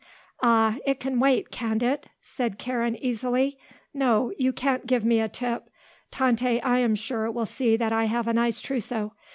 "Ah, it can wait, can't it?" said Karen easily. "No; you can't give me a tip. Tante, I am sure, will see that I have a nice trousseau.